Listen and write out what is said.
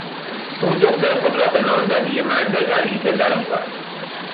او دختر خود را به نامزدی مرد غریبه درآورد.